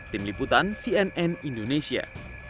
tim liputan cnn indonesia